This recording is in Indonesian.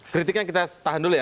kritiknya kita tahan dulu ya